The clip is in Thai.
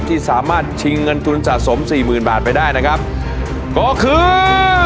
ที่สามารถชิงเงินทุนสะสมสี่หมื่นบาทไปได้นะครับก็คือ